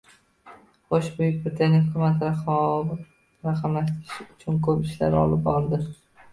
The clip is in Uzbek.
Xoʻsh, Buyuk Britaniya hukumati raqamlashtirish uchun koʻp ishlar olib bordi.